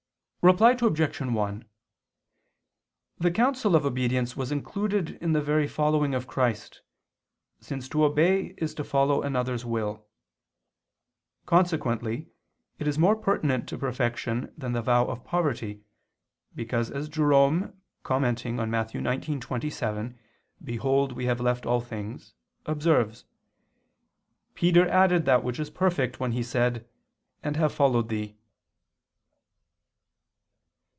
Reply Obj. 1: The counsel of obedience was included in the very following of Christ, since to obey is to follow another's will. Consequently it is more pertinent to perfection than the vow of poverty, because as Jerome, commenting on Matt. 19:27, "Behold we have left all things," observes, "Peter added that which is perfect when he said: And have followed Thee."